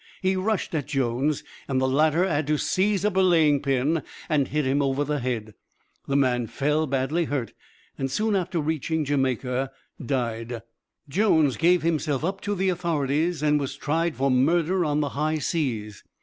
He rushed at Jones, and the latter had to seize a belaying pin and hit him over the head. The man fell badly hurt and soon after reaching Jamaica died. Jones gave himself up to the authorities and was tried for murder on the high seas.